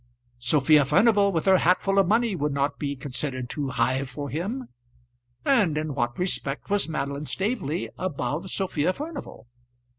Sophia Furnival, with her hatful of money, would not be considered too high for him; and in what respect was Madeline Staveley above Sophia Furnival?